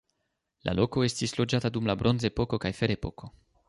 La loko estis loĝata dum la bronzepoko kaj ferepoko.